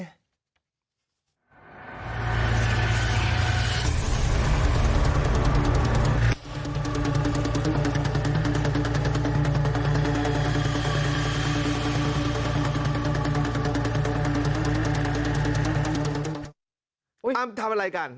เอาทำอะไรกัน